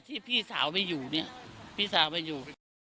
พี่สาวไม่อยู่เนี่ยพี่สาวไม่อยู่